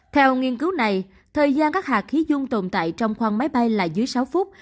theo nghiên cứu này thời gian các hạt khí dung tồn tại trong khoang máy bay là dưới sáu phút